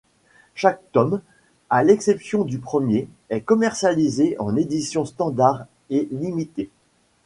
Chaque tome, à l'exception du premier, est commercialisé en édition standard et limitée.